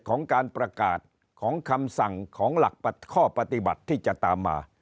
ของการประกาศของคำสั่งของหลักข้อปฏิบัติที่จะตามมา